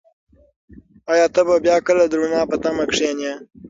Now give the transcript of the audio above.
ایا ته به بیا کله د رڼا په تمه کښېنې؟